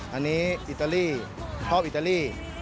อันนี้อิตาลีชอบอิตาลี